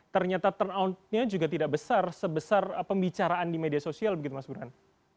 ternyata turnoutnya juga tidak besar sebesar pembicaraan di media sosial begitu mas burhan